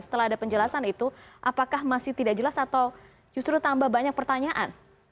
setelah ada penjelasan itu apakah masih tidak jelas atau justru tambah banyak pertanyaan